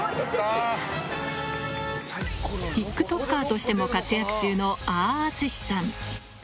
ＴｉｋＴｏｋｅｒとしても活躍中のあああつしさん